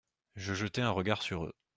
Je jetai un regard sur eux.